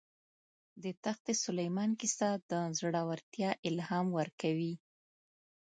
د تخت سلیمان کیسه د زړه ورتیا الهام ورکوي.